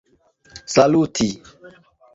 saluti